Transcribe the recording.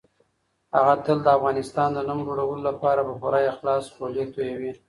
هغه تل د افغانستان د نوم لوړولو لپاره په پوره اخلاص خولې تويوي.